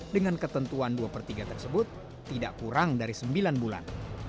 dengan ketentuan dua per tiga tersebut tidak kurang dari sembilan bulan